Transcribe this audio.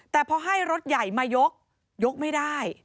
แต่พอให้รถใหญ่มายกยกไม่ได้